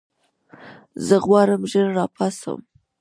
زه غواړم ژر راپاڅم.